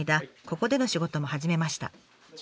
ここでの仕事も始めました。